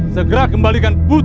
segera kembalikan putri itu